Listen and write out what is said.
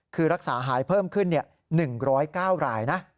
คือรักษาหายเพิ่มขึ้น๑๐๙รายนะ